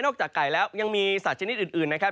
จากไก่แล้วยังมีสัตว์ชนิดอื่นนะครับ